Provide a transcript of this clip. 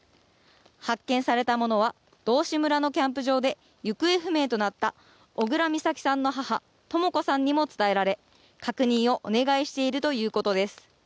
発見されたものは道志村のキャンプ場で行方不明となった小倉美咲さんの母とも子さんにも伝えられ、確認をお願いしているということです。